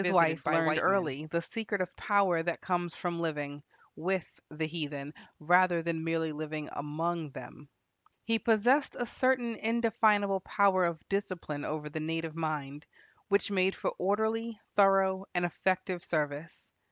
Both Livingstone and his wife learned early the secret of power that comes from living with the heathen, rather than merely living among them. He possessed a certain indefinable power of discipline over the native mind, which made for orderly, thorough, and effective service.